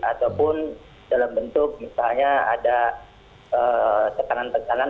ataupun dalam bentuk misalnya ada tekanan tekanan